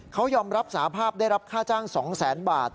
เขายอมรับสาภาพได้รับค่าจ้าง๒๐๐๐๐บาท